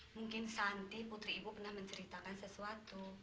mungkin sandi putri ibu pernah menceritakan sesuatu